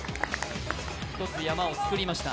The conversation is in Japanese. １つ山を作りました。